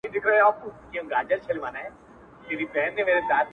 • محتسب په سترګو ړوند وي په غضب یې ګرفتار کې -